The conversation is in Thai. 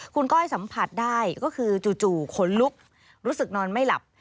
คุณก้อยสัมผัสได้ก็คือจู่ขนลุกรู้สึกนอนไม่หลับ